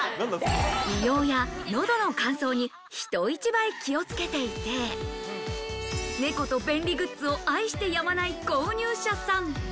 美容や喉の乾燥に人一倍、気をつけていて、猫と便利グッズを愛してやまない購入者さん。